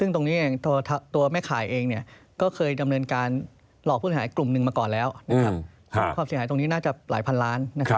ตอนนี้ความสิอาหารน่าจะหลายพันล้าน